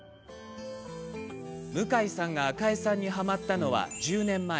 向井さんが赤江さんにはまったのは１０年前。